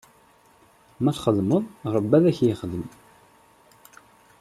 Ma txedmeḍ, Ṛebbi ad ak-ixdem.